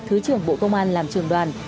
thứ trưởng bộ công an làm trường đoàn